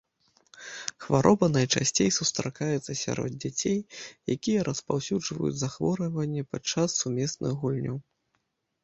Хвароба найчасцей сустракаецца сярод дзяцей, якія распаўсюджваюць захворванне падчас сумесных гульняў.